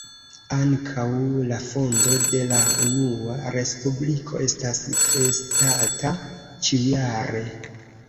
Ankaŭ la fondo de la Unua Respubliko estas festata ĉiujare.